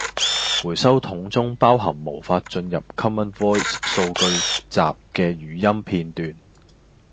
回收桶中包含無法進入 Common Voice 數據集既語音片段